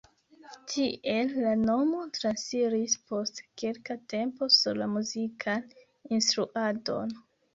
Tiel la nomo transiris post kelka tempo sur la muzikan instruadon.